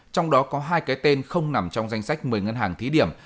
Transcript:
trong đó có hai cái tên không nằm trong danh sách một mươi ngân hàng thí điểm